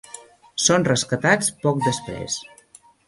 Són rescatats poc després.